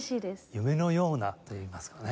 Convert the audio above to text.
夢のようなといいますかね。